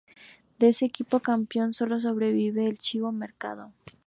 De ese equipo campeón, solo sobrevive "El Chivo" Mercado.